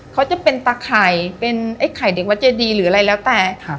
เขาจะเป็นตะไข่เป็นไอ้ไข่เด็กวัดเจดีหรืออะไรแล้วแต่